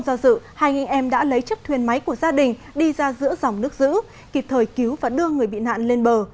anh máy của gia đình đi ra giữa dòng nước giữ kịp thời cứu và đưa người bị nạn lên bờ